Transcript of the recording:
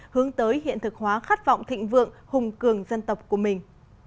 hướng tới hiện thực hóa khát vọng thịnh vượng hùng cường dân tộc của mình